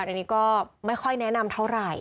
อันนี้ก็ไม่ค่อยแนะนำเท่าไหร่